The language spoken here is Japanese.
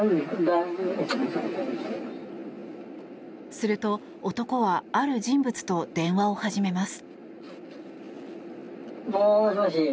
すると、男はある人物と電話を始めます。